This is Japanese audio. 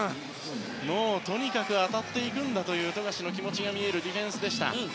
とにかく当たっていくんだという富樫の気持ちが見えるディフェンスでした。